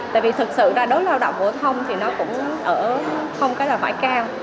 tại vì thực sự là đối với lao động phổ thông thì nó cũng ở không cái là phải cao